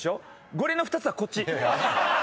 ゴリエの２つはこっち。